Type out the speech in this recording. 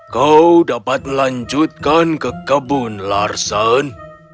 kau dapat melanjutkan ke kebun larsen